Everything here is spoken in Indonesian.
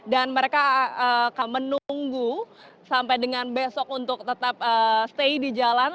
dan mereka akan menunggu sampai dengan besok untuk tetap stay di jalan